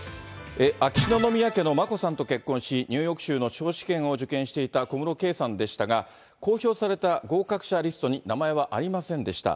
秋篠宮家の眞子さんと結婚し、ニューヨーク州の司法試験を受験していた小室圭さんですが、公表された合格者リストに名前はありませんでした。